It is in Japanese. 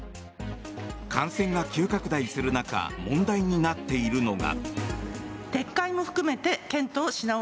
感染が急拡大する中問題になっているのが。